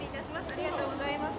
ありがとうございます。